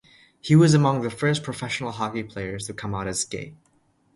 He was among the first professional hockey players to come out as gay.